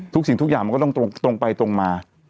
สิ่งทุกอย่างมันก็ต้องตรงไปตรงมา